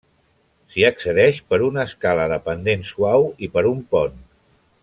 S'hi accedeix per una escala de pendent suau i per un pont.